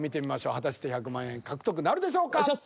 果たして１００万円獲得なるでしょうか。